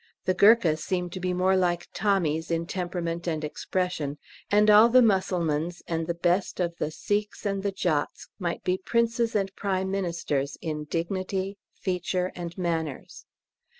The Gurkhas seem to be more like Tommies in temperament and expression, and all the Mussulmans and the best of the Sikhs and Jats might be Princes and Prime Ministers in dignity, feature, and manners.